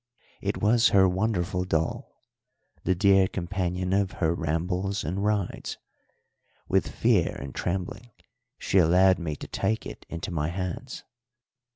It was her wonderful doll the dear companion of her rambles and rides. With fear and trembling she allowed me to take it into my hands.